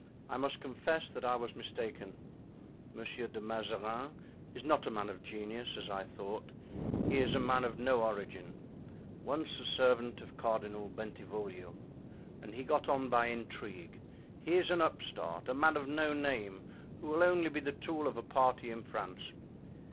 I must confess that I was mistaken. Monsieur de Mazarin is not a man of genius, as I thought, he is a man of no origin—once a servant of Cardinal Bentivoglio, and he got on by intrigue. He is an upstart, a man of no name, who will only be the tool of a party in France.